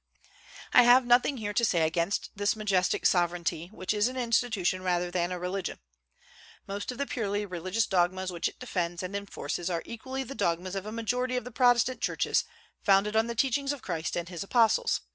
I have nothing here to say against this majestic sovereignty, which is an institution rather than a religion. Most of the purely religious dogmas which it defends and enforces are equally the dogmas of a majority of the Protestant churches, founded on the teachings of Christ and his apostles.